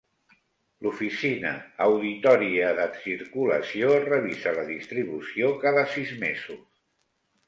L'Oficina Auditòria de Circulació revisa la distribució cada sis mesos.